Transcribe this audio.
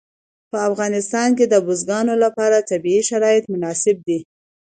په افغانستان کې د بزګانو لپاره طبیعي شرایط مناسب دي.